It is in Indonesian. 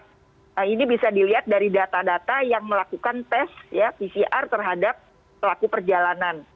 nah ini bisa dilihat dari data data yang melakukan tes pcr terhadap pelaku perjalanan